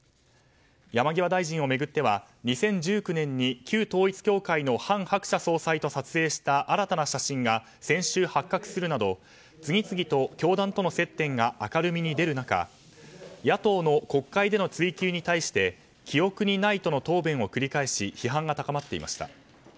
山際大臣を巡っては２０１９年に旧統一教会の韓鶴子総裁と撮影した新たな写真が先週、発覚するなど次々と教団との接点が明るみに出る中野党の国会での追及に対して記憶にないとの答弁を繰り返し批判が高まっていました。